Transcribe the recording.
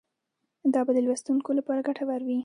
دا به د لوستونکو لپاره ګټور وي.